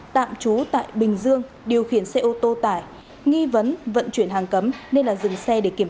tạm trú tại bình dương điều khiển xe ô tô tải nghi vấn vận chuyển hàng cấm nên là dừng xe để kiểm